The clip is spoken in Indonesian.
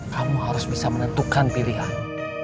kamu harus bisa menentukan pilihan